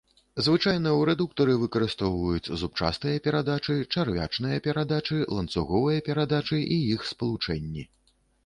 Звычайна ў рэдуктары выкарыстоўваюць зубчастыя перадачы, чарвячныя перадачы, ланцуговыя перадачы і іх спалучэнні.